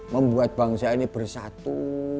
membuat bangsa ini bersatu